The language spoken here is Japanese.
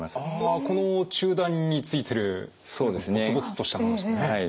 あこの中段についてるゴツゴツとしたものですね。